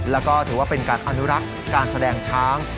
แล้วก็ถือว่าเป็นการอนุรักษ์การแสดงช้าง